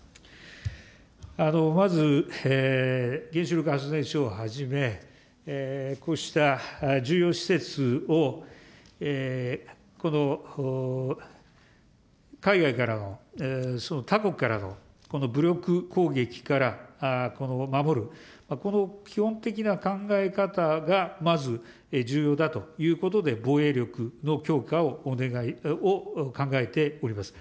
まず原子力発電所をはじめ、こうした重要施設をこの海外からの、他国からの武力攻撃から守る、この基本的な考え方がまず重要だということで、防衛力の強化を考えております。